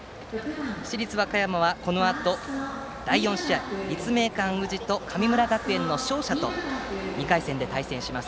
市立和歌山はこのあと、第４試合の立命館宇治と神村学園の勝者と２回戦で対戦します。